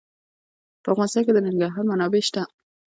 په افغانستان کې د ننګرهار منابع شته.